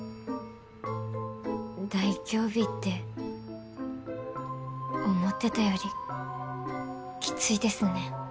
大凶日って思ってたよりきついですね。